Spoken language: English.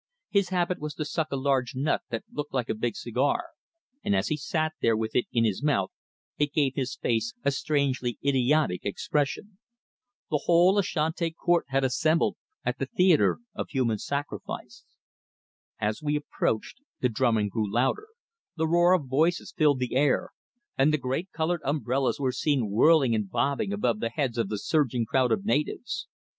His habit was to suck a large nut that looked like a big cigar, and as he sat there with it in his mouth it gave his face a strangely idiotic expression. The whole Ashanti court had assembled at the theatre of human sacrifice. As we approached the drumming grew louder, the roar of voices filled the air, and the great coloured umbrellas were seen whirling and bobbing above the heads of the surging crowd of natives.